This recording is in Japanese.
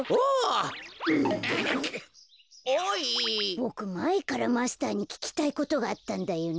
ボクまえからマスターにききたいことがあったんだよね。